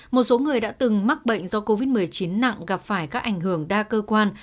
một số người đã từng mắc bệnh do covid một mươi chín nặng gặp phải các ảnh hưởng đa cơ quan